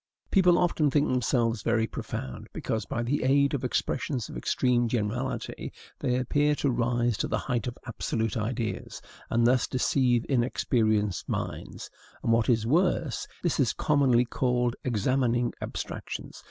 People often think themselves very profound, because, by the aid of expressions of extreme generality, they appear to rise to the height of absolute ideas, and thus deceive inexperienced minds; and, what is worse, this is commonly called EXAMINING ABSTRACTIONS.